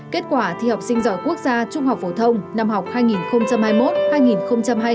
kết quả thi học sinh giỏi quốc gia trung học phổ thông năm học hai nghìn hai mươi một hai nghìn hai mươi hai cho thấy